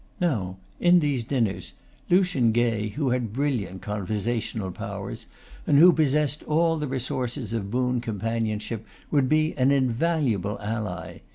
Now in these dinners, Lucian Gay, who had brilliant conversational powers, and who possessed all the resources of boon companionship, would be an invaluable ally.